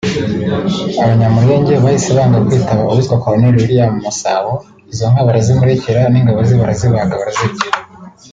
Abanyamulenge bahise banga kwitaba uwita Colonel William Masabo izo nka barazimurekera n’ingabo ze barazibaga barazirya